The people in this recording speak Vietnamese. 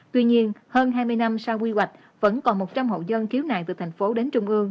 tuy nhiên hơn hai mươi năm sau quy hoạch vẫn còn một trăm linh hộ dân khiếu nại từ thành phố đến trung ương